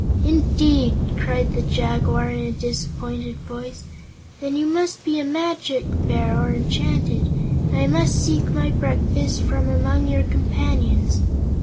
"Indeed!" cried the Jaguar, in a disappointed voice; "then you must be a magic Bear, or enchanted, and I must seek my breakfast from among your companions."